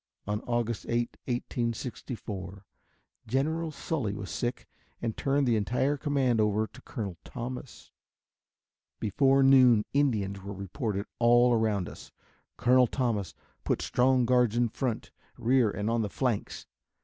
On August 8, 1864, General Sully was sick and turned the entire command over to Colonel Thomas. Before noon Indians were reported all around us. Colonel Thomas put strong guards in front, rear and on the flanks.